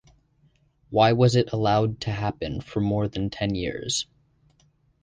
Why was it allowed to happen for more than ten years?